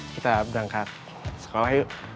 kita berangkat sekolah yuk